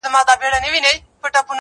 ځکه دغسي هوښیار دی او قابِل دی,